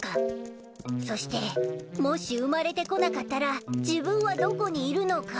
そしてもし生まれてこなかったら自分はどこにいるのか。